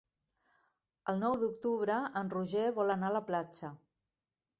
El nou d'octubre en Roger vol anar a la platja.